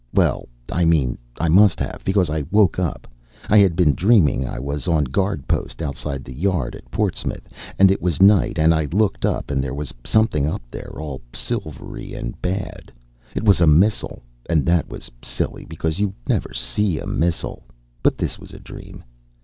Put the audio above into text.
Well, I mean I must have, because I woke up. I had been dreaming I was on guard post outside the Yard at Portsmouth, and it was night, and I looked up and there was something up there, all silvery and bad. It was a missile and that was silly, because you never see a missile. But this was a dream.